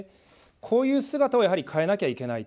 こういう姿をやはり変えなきゃいけない。